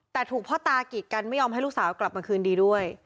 แต่ถูกพ่อตากีดกันไม่ยอมให้ลูกสาวกลับมาคืนดีด้วย